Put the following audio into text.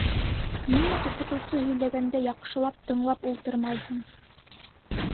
— Ниңә, уҡытыусы һөйләгәндә, яҡшылап тыңлап ултырмайһың?